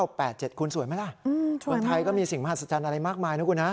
อืมสวยมากวันไทยก็มีสิ่งมหัศจรรย์อะไรมากมายนะครับคุณฮะ